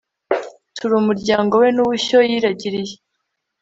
turi umuryango we n'ubushyo yiragiriye